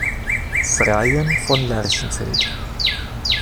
Freiin von Lerchenfeld.